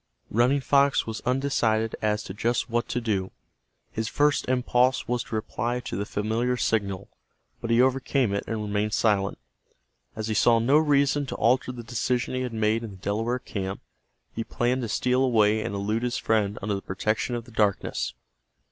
Running Fox was undecided as to just what to do. His first impulse was to reply to the familiar signal, but he overcame it and remained silent. As he saw no reason to alter the decision he had made in the Delaware camp, he planned to steal away and elude his friend under the protection of the darkness.